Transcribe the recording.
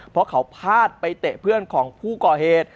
เพราะเขาพาดไปเตะเพื่อนของผู้ก่อเหตุ